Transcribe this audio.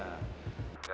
kamu sudah ada di rumah